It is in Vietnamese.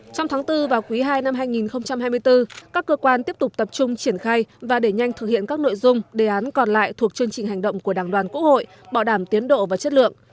trong tháng bốn và quý ii năm hai nghìn hai mươi bốn các cơ quan tiếp tục tập trung triển khai và để nhanh thực hiện các nội dung đề án còn lại thuộc chương trình hành động của đảng đoàn quốc hội bảo đảm tiến độ và chất lượng